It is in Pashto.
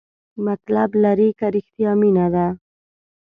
مطلب لري که رښتیا مینه ده؟